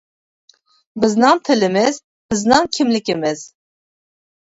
بىزنىڭ تىلىمىز، بىزنىڭ كىملىكىمىز.